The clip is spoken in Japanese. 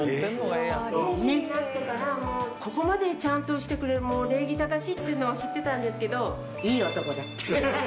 選手になってからもここまでちゃんとしてくれる、礼儀正しいっていうのは知ってたんですけど。